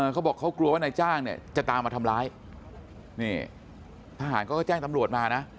เขาบอกเขากลัวว่านายจ้างจะตามมาทำร้ายพหารก็แจ้งตำรวจมานะ